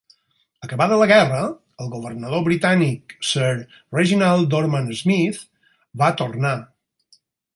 Acabada la guerra, el governador britànic, Sir Reginald Dorman-Smith, va tornar.